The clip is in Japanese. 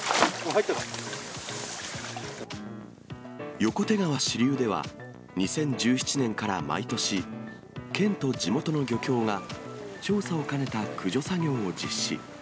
横手川支流では、２０１７年から毎年、県と地元の漁協が調査を兼ねた駆除作業を実施。